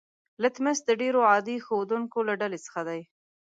لتمس د ډیرو عادي ښودونکو له ډلې څخه دی.